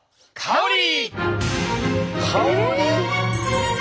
香り？